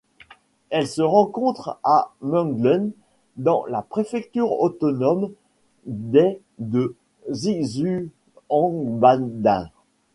Elle se rencontre à Menglun dans la préfecture autonome dai de Xishuangbanna.